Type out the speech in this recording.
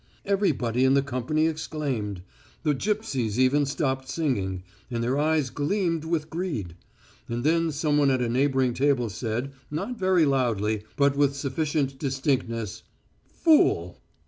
Everybody in the company exclaimed; the gipsies even stopped singing, and their eyes gleamed with greed. And then someone at a neighbouring table said, not very loudly, but with sufficient distinctness, "Fool!"